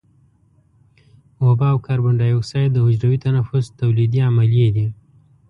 اوبه او کاربن دای اکساید د حجروي تنفس تولیدي عملیې دي.